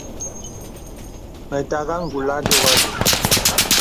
Mə tàgā ngùlà ndɔ̄gà və.